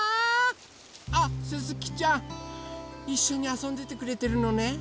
あっすすきちゃんいっしょにあそんでてくれてるのね。